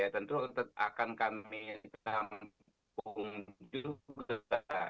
tentu akan kami sampaikan